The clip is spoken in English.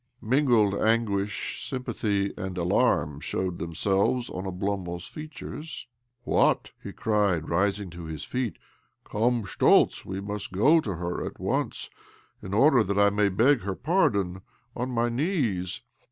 Mingled anguish, sympathy, and alarm showed themselves on Oblomov's features. "What?" he cried, rising to. his feet. " Come, Schtoltz I We must go to her at once, in order that I may beg her pardon on my knees."